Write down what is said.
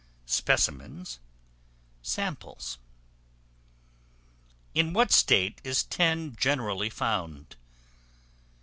Specimens, samples. In what state is Tin generally found?